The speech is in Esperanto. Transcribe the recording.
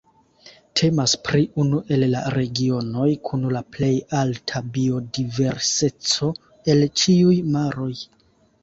Temas pri unu el la regionoj kun la plej alta biodiverseco el ĉiuj maroj.